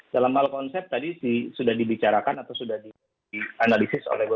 dalam hal konsep tadi sudah dibicarakan atau sudah dianalisis oleh